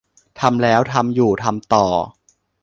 ทำแล้ว ทำอยู่ ทำต่อ